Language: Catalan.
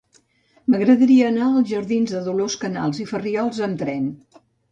M'agradaria anar als jardins de Dolors Canals i Farriols amb tren.